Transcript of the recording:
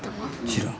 知らん。